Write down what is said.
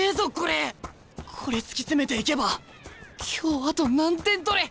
これ突き詰めていけば今日あと何点取れ。